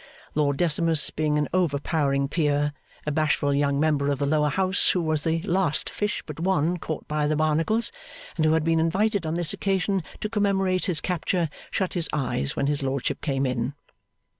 Lord Decimus being an overpowering peer, a bashful young member of the Lower House who was the last fish but one caught by the Barnacles, and who had been invited on this occasion to commemorate his capture, shut his eyes when his Lordship came in.